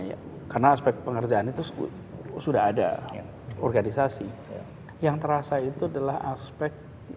ya karena aspek pengerjaan itu sudah ada organisasi yang terasa itu adalah aspek